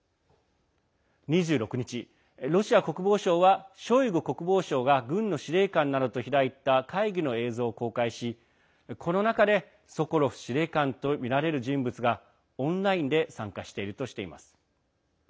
２６日、ロシア国防省はショイグ国防相が軍の司令官などと開いた会議の映像を公開しこの中でソコロフ司令官とみられる人物がオンラインで参加しているとしています。